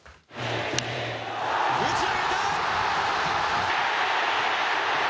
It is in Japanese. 打ち上げた！